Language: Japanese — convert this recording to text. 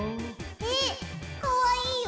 えっかわいいよ。